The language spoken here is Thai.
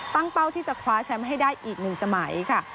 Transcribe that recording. เป้าที่จะคว้าแชมป์ให้ได้อีก๑สมัยค่ะ